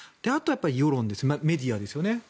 あとは世論ですよねメディアですよね。